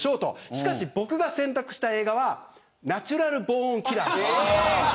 しかし、僕が選択した映画はナチュラル・ボーン・キラーズ。